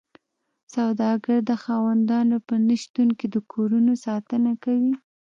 سوداګر د خاوندانو په نشتون کې د کورونو ساتنه کوي